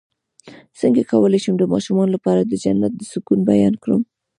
څنګه کولی شم د ماشومانو لپاره د جنت د سکون بیان کړم